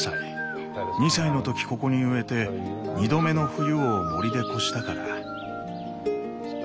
２歳の時ここに植えて２度目の冬を森で越したから。